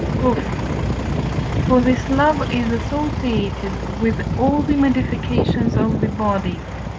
Proof. For this love is associated with all the modifications of the body (V.